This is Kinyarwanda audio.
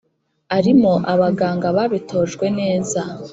Arimo abaganga babitojwe neza